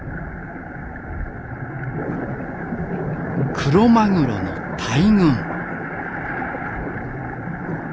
クロマグロの大群。